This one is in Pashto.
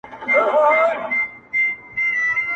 پيغلي چي نن خپل د ژوند كيسه كي راتـه وژړل.